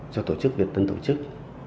cho tổ chức việt tân tổ chức